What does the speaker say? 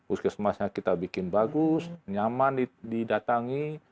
puskesmasnya kita bikin bagus nyaman didatangi